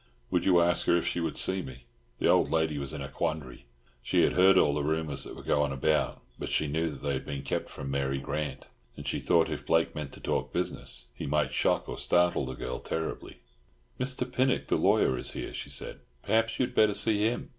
"Would you ask her if she would see me?" The old lady was in a quandary. She had heard all the rumours that were going about, but she knew that they had been kept from Mary Grant, and she thought that if Blake meant to talk business he might shock or startle the girl terribly. "Mr. Pinnock the lawyer is here," she said. "Perhaps you had better see him.